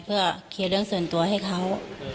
เพื่อเคลียร์เรื่องส่วนตัวให้เขา